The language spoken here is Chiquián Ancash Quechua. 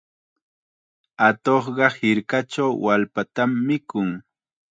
Atuqqa hirkachaw wallpatam mikun.